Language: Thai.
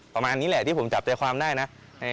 ประมาณนี้แหละที่ผมจับใจความได้นะ